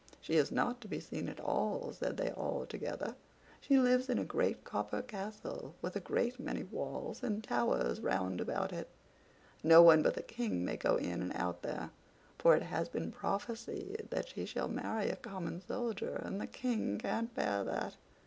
"She is not to be seen at all," said they all together; "she lives in a great copper castle, with a great many walls and towers round about it: no one but the King may go in and out there, for it has been prophesied that she shall marry a common soldier, and the King can't bear that."